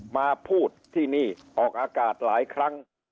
มาพูดที่นี่ออกอากาศหลายครั้ง